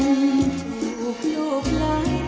แผนที่๓ที่คุณนุ้ยเลือกออกมานะครับ